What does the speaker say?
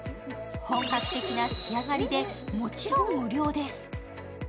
本格的な仕上がりで、もちろん無料です。